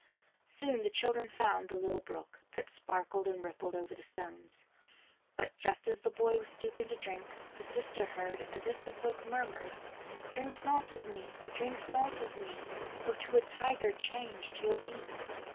Soon the children found the little brook, that sparkled and rippled over the stones. But just as the boy was stooping to drink, the sister heard, as if the brook murmured :" Drink not of me! drink not of me ! Or to a tiger changed you'll be."